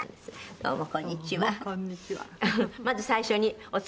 どうもこんにちは。